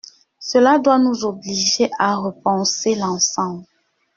Cela doit nous obliger à repenser l’ensemble.